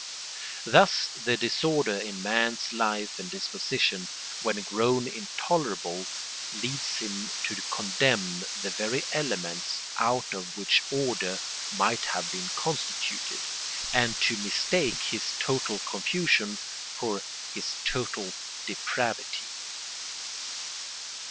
Thus the disorder in man's life and disposition, when grown intolerable, leads him to condemn the very elements out of which order might have been constituted, and to mistake his total confusion for his total depravity.